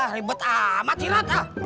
ribet amat sih rot